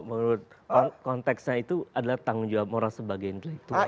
menurut konteksnya itu adalah tanggung jawab moral sebagai intelektual